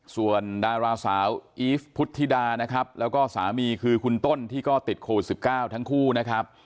ส่วนดาราสาวอีฟพุทธิดานะครับแล้วก็สามีคือคุณต้นที่ก็ติดโควิด๑๙ทั้งคู่นะครับ